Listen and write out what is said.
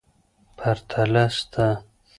پرتله سته.